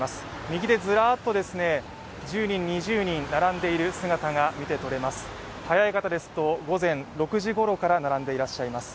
右でずらーっと１０人、２０人並んでいる姿が見て取れます。